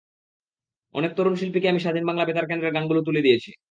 অনেক তরুণ শিল্পীকে আমি স্বাধীন বাংলা বেতার কেন্দ্রের গানগুলো তুলে দিয়েছি।